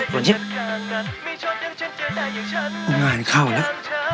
ส่วนเชียบงานเข้าแล้ว